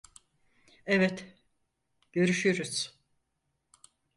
Evet, görüşürüz.